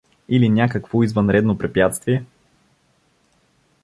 Или някакво извънредно препятствие?